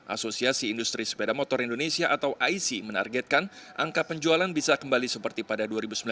asosiasi industri sepeda motor indonesia atau aisi menargetkan angka penjualan bisa kembali seperti pada dua ribu sembilan belas